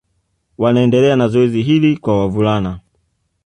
Wanaendelea na zoezi hili kwa wavulana